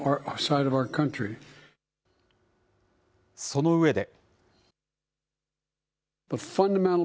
その上で。